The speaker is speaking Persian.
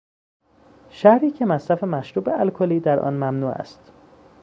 شهری که مصرف مشروب الکلی در آن ممنوع است.